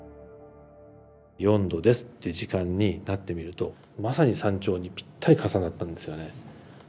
「４°です」っていう時間になってみるとまさに山頂にぴったり重なったんですよね。